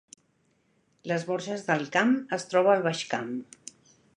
Les Borges del Camp es troba al Baix Camp